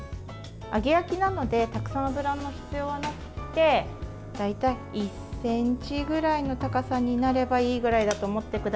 揚げ焼きなのでたくさん油の必要はなくて大体１ｃｍぐらいの高さになればいいぐらいだと思ってください。